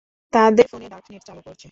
তাদের ফোনে dark net চালু করছে।